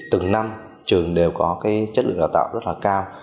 trường đều có chất lượng đào tạo rất là cao